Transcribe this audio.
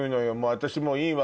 私もういいわ。